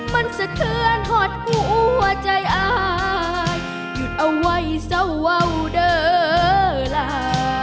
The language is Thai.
มันสะเทือนหดหัวใจอายหยุดเอาไว้เศร้าเว้าวเด้อลา